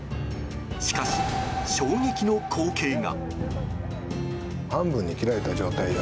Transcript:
しかし、衝撃の光景が。